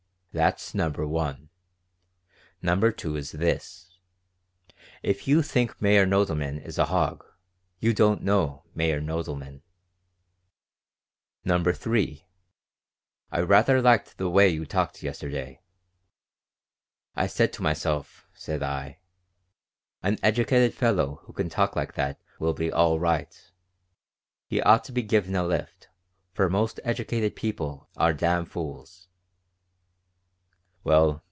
That's number one. Number two is this: If you think Meyer Nodelman is a hog, you don't know Meyer Nodelman. Number three: I rather liked the way you talked yesterday. I said to myself, said I: 'An educated fellow who can talk like that will be all right. He ought to be given a lift, for most educated people are damn fools.'